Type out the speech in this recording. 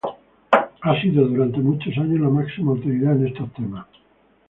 Ha sido durante muchos años la máxima autoridad en estos temas.